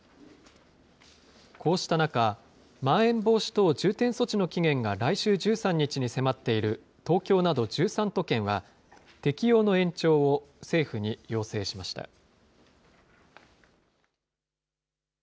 こうした中、まん延防止等重点措置の期限が来週１３日に迫っている東京など１３都県は、適用の延長を政府に要請しました。